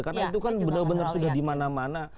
karena itu kan benar benar sudah dimana mana